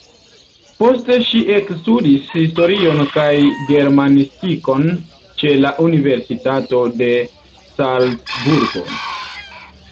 Poste ŝi ekstudis historion kaj germanistikon ĉe la universitato de Salcburgo.